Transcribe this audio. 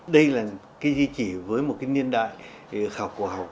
đây là cái di chỉ với một cái niên đại khảo cổ học